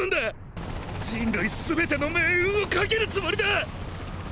人類すべての命運を懸けるつもりだ！！